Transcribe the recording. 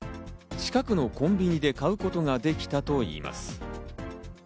近くのコンビニで買うことができたといいます。